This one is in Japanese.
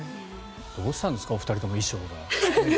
どうしたんですかお二人とも、衣装が。